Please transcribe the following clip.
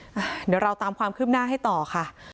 เดี๋ยวเราตามความคืบหน้าให้ต่อค่ะ